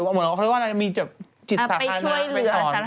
เขาเรียกว่าอะไรมีจิตสาธารณะ